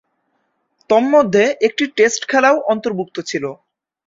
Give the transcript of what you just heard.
তন্মধ্যে, একটি টেস্ট খেলাও অন্তর্ভুক্ত ছিল।